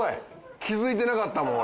気づいてなかったもん俺。